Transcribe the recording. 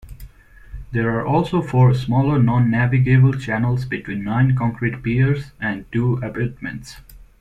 There are also four smaller non-navigable channels between nine concrete piers and two abutments.